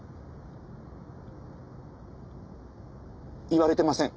言われてません。